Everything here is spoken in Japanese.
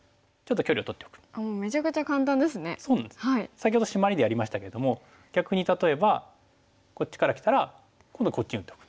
先ほどシマリでやりましたけども逆に例えばこっちからきたら今度こっちに打っておく。